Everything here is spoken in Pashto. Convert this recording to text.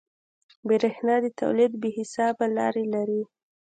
برېښنا د تولید بې حسابه لارې لري.